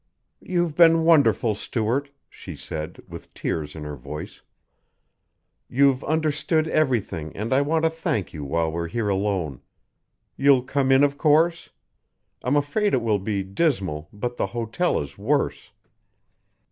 "You've been wonderful, Stuart," she said, with tears in her voice. "You've understood everything and I want to thank you while we're here alone. You'll come in, of course? I'm afraid it will be dismal, but the hotel is worse."